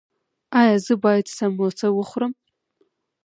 ایا زه باید سموسه وخورم؟